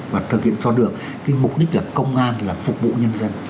và thực hiện cho được cái mục đích là công an là phục vụ nhân dân